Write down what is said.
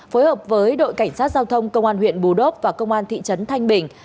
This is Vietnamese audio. phối hợp với đội cảnh sát giao thông công an huyện bù đốp và công an thị trấn thanh bình